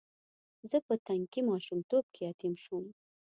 زه په تنکي ماشومتوب کې یتیم شوم.